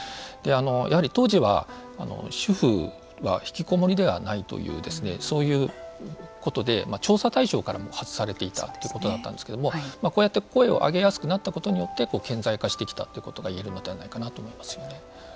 やはり当時は、主婦はひきこもりではないというそういうことで、調査対象からも外されていたということだったんですけれどもこうやって声を上げやすくなったことによって、顕在化してきたということが言えるのではないかなと思いますよね。